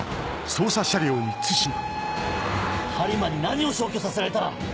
播磨に何を消去させられた！